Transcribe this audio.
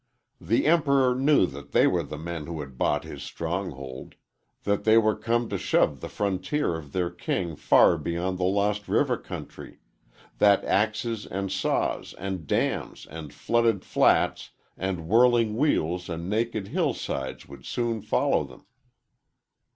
The Emperor knew that they were the men who had bought his stronghold; that they were come to shove the frontier of their king far beyond the Lost River country; that axes and saws and dams and flooded flats and whirling wheels and naked hill sides would soon follow them.